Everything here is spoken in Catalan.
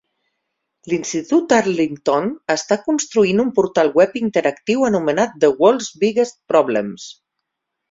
L'Institut Arlington està construint un portal web interactiu anomenat The World's Biggest Problems.